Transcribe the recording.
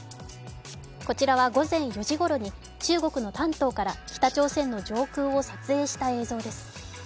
こちらは午前４時ごろに中国の丹東から北朝鮮の上空を撮影した映像です。